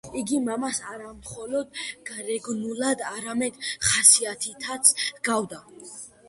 იგი მამას არამხოლოდ გარეგნულად, არამედ ხასიათითაც ჰგავდა.